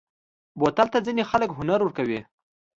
بوتل ته ځینې خلک هنر ورکوي.